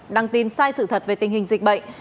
đăng tin sai sự thật về tình hình dịch bệnh